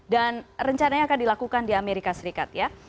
dan rencananya akan dilakukan di amerika serikat ya